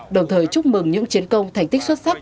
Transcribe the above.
đồng thời chúc mừng những chiến công thành tích xuất sắc